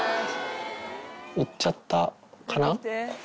行っちゃった、かな？